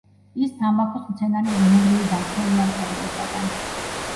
ის თამბაქოს მცენარის ბუნებრივი დამცველია მწერებისაგან.